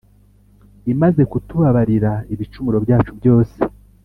imaze kutubabarira ibicumuro byacu byose